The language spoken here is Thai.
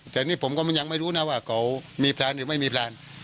แต่นี่ผมก็ยังไม่รู้นะว่าเขามีพรานหรือไม่มีพราน